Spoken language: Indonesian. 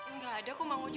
tidak ada kok emang ojo